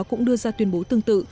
cũng đưa ra tuyên bố tương tự